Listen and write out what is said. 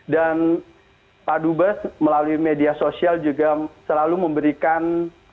dan pak duba melalui media sosial juga selalu memberikan